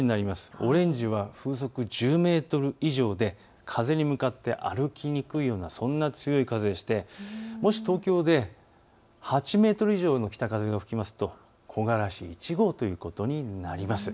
オレンジは風速１０メートル以上で風に向かって歩きにくいようなそんな強い風でしてもし東京で８メートル以上の北風が吹きますと木枯らし１号ということになります。